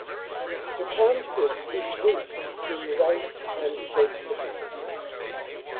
The township is rich in rape and vegetables.